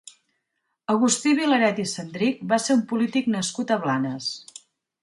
Agustí Vilaret i Cendrich va ser un polític nascut a Blanes.